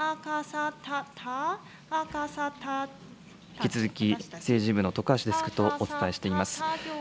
引き続き、政治部の徳橋デスクとお伝えしています。